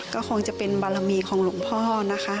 ก็คงจะเป็นบารมีของหลวงพ่อนะคะ